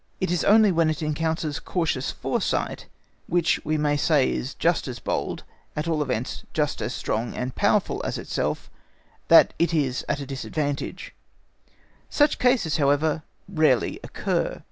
It is only when it encounters cautious foresight—which we may say is just as bold, at all events just as strong and powerful as itself—that it is at a disadvantage; such cases, however, rarely occur.